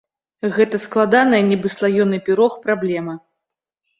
Гэта складаная, нібы слаёны пірог, праблема.